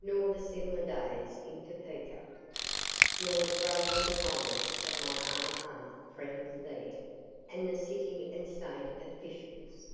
Nor the similar days in Topeka. Nor the brotherly kindness of my RR. friends there, and the city and State officials.